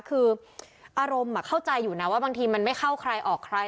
คืออารมณ์เข้าใจอยู่นะว่าบางทีมันไม่เข้าใครออกใคร